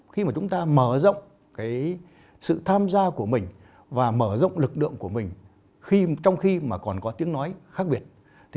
khi mà chúng ta mở rộng sự tham gia của mình và mở rộng lực lượng của mình trong khi mà còn có tiếng nói khác biệt